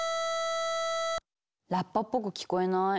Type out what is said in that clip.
ラッパっぽく聞こえない。